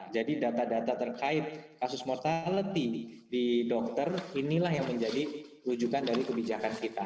jadi data data terkait kasus mortality di dokter inilah yang menjadi wujudan dari kebijakan kita